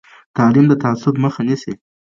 تعلیم د تعصب مخه نیسي.